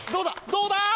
どうだ？